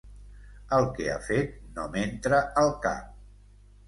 El que ha fet no m'entra al cap.